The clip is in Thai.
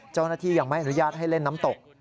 เจ้าหน้าที่ยังไม่อนุญาตให้เล่นน้ำตก